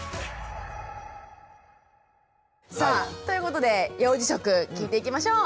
さあということで幼児食聞いていきましょう！